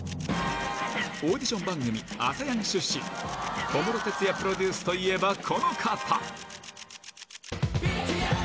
オーディション番組、アサヤン出身、小室哲哉プロデュースといえば、この方。